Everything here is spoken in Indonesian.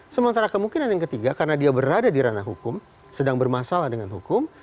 sementara kemungkinan yang ketiga karena dia berada di ranah hukum sedang bermasalah dengan hukum